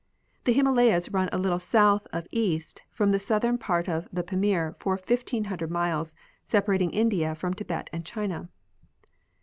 The Himalayas run a little south of east from the southern part of the Pamir for 1,500 miles, separating India from Tibet and China.